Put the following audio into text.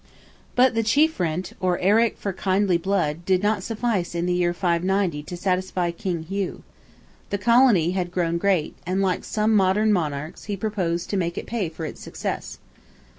But the "chief rent," or "eric for kindly blood," did not suffice in the year 590 to satisfy King Hugh. The colony had grown great, and, like some modern monarchs, he proposed to make it pay for its success.